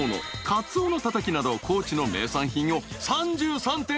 カツオのたたきなど高知の名産品を３３点